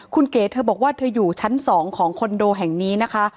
คุณเก๋เธอบอกว่าเธออยู่ชั้น๒ของคอนโดแห่งนี้นะคะ